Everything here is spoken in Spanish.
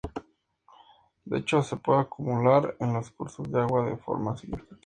De hecho, se puede acumular en los cursos de agua de forma significativa.